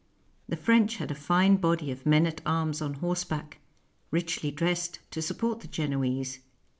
The French had a fine body of men at arms on horseback, richly dressed, to support the Genoese.